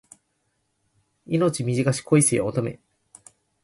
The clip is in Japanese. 命短し恋せよ乙女